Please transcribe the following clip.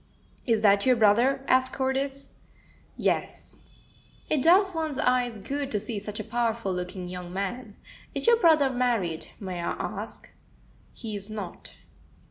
"Is that your brother?" asked Cordis. "Yes." "It does one's eyes good to see such a powerful looking young man. Is your brother married, may I ask?" "He is not."